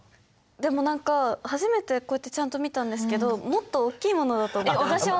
でも何か初めてこうやってちゃんと見たんですけどもっと大きいものだと思ってました。